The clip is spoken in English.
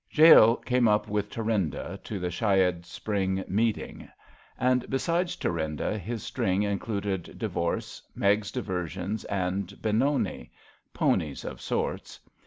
Jale came up with Thurinda to the Shayid Spring meeting; and besides Thurinda his string included Divorce, Meg's Diversions and Benoni — ponies of sorts.